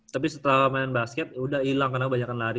tapi setelah main basket udah ilang karena banyak kan lari